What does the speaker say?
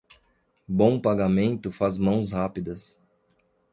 Bom pagamento faz mãos rápidas.